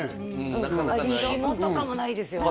うんリードひもとかもないですよね